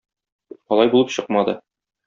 Алай булып чыкмады.